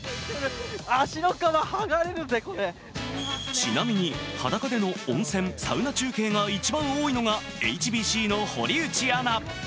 ちなみに裸での温泉・サウナ中継が一番多いのがＨＢＣの堀内アナ。